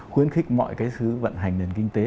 khuyến khích mọi cái thứ vận hành nền kinh tế